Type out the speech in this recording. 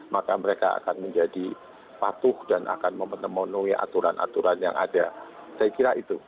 maka mereka akan menjadi patuh dan akan memenuhi aturan aturan yang ada saya kira itu